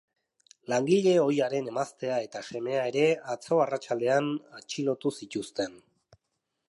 Langile ohiaren emaztea eta semea ere atzo arratsaldean atxilotu zituzten.